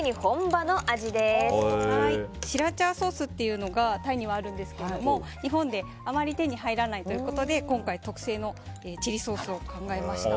シラチャーソースというのがタイにはあるんですけど日本ではあまり手に入らないということで今回、特製のチリソースを考えました。